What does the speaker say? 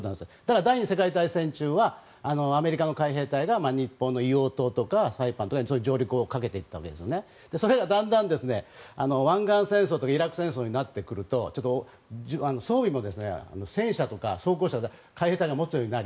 第２次世界大戦中はアメリカの海兵隊が日本の硫黄島とかサイパンに上陸をかけていったんですが湾岸戦争とかイラク戦争になると装備も戦車とか装甲車海兵隊が持つようになり